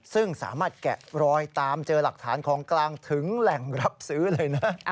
ซึ่งสามารถแกะรอยตามเจอหลักฐานของกลางถึงแหล่งรับซื้อเลยนะ